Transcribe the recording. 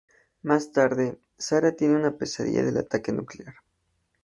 Más tarde, Sarah tiene una pesadilla del ataque nuclear.